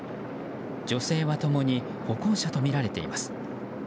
女性は共に歩行者とみられています。